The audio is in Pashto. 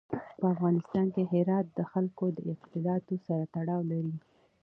په افغانستان کې هرات د خلکو د اعتقاداتو سره تړاو لري.